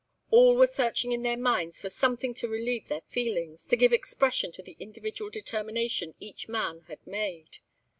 All were searching in their minds for something to relieve their feelings, to give expression to the individual determination each man had made.